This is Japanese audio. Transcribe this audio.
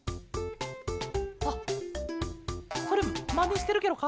あっそれまねしてるケロか？